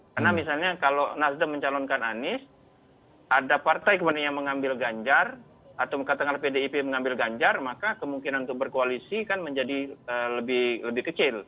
karena misalnya kalau nasdem mencalonkan anis ada partai kemudiannya mengambil ganjar atau ke tengah pdip mengambil ganjar maka kemungkinan untuk berkoalisi kan menjadi lebih kecil